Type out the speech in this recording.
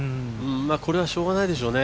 これはしょうがないでしょうね。